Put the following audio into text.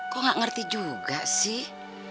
kok gak ngerti juga sih